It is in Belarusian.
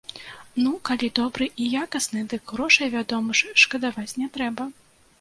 Ну, калі добры і якасны, дык грошай, вядома ж, шкадаваць не трэба.